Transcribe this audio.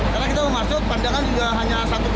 karena kita mau masuk pandangan